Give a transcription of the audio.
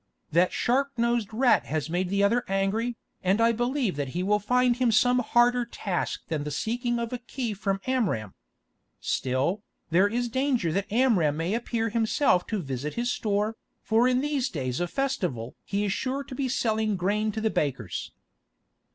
That sharp nosed rat has made the other angry, and I believe that he will find him some harder task than the seeking of a key from Amram. Still, there is danger that this Amram may appear himself to visit his store, for in these days of festival he is sure to be selling grain to the bakers."